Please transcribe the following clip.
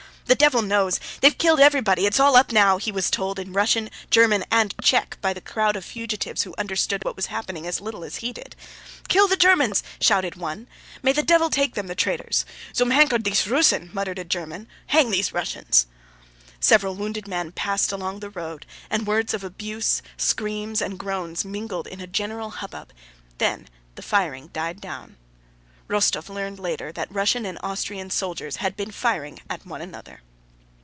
"The devil knows! They've killed everybody! It's all up now!" he was told in Russian, German, and Czech by the crowd of fugitives who understood what was happening as little as he did. "Kill the Germans!" shouted one. "May the devil take them—the traitors!" "Zum Henker diese Russen!" * muttered a German. * "Hang these Russians!" Several wounded men passed along the road, and words of abuse, screams, and groans mingled in a general hubbub, then the firing died down. Rostóv learned later that Russian and Austrian soldiers had been firing at one another.